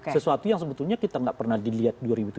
sesuatu yang sebetulnya kita nggak pernah dilihat dua ribu tujuh belas